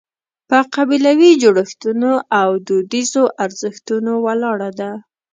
په قبیلوي جوړښتونو او دودیزو ارزښتونو ولاړه ده.